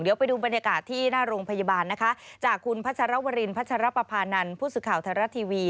เดี๋ยวไปดูบรรยากาศที่หน้าโรงพยาบาลนะคะจากคุณพัชรวรินพัชรปภานันทร์ผู้สื่อข่าวไทยรัฐทีวี